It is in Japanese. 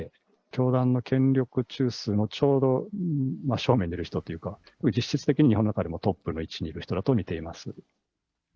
教団の権力中枢のちょうど真正面にいる人というか、実質的に日本の中でもトップの位置にいる人だと見ています。